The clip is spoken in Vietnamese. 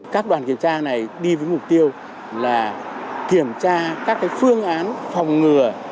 các đoàn kiểm tra này đi với mục tiêu là kiểm tra các phương án phòng ngừa